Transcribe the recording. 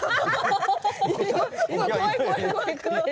怖い怖い怖い怖い。